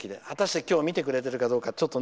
果たして今日、見てくれてるかどうか。